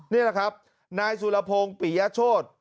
นี่แหละครับนายสุรพงศ์ปิยโชธ